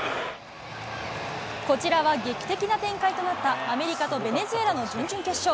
こちらは劇的な展開となったアメリカとベネズエラの準々決勝。